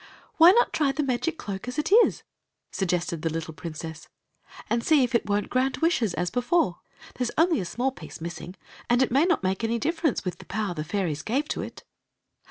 " Why not try the magic cloak as it is," suggested the ' nh princess, "and see if it won*t grant wishes as t s There *s only a small piece missing, and it may not make any difference with the power the fairies gave to it."